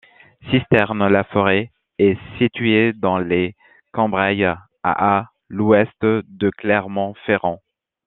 Cisternes-la-Forêt est située dans les Combrailles à à l'ouest de Clermont-Ferrand.